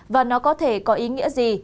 và nó có thể có ý nghĩa gì